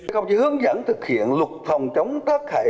công chứa hướng dẫn thực hiện luật phòng chống tác hại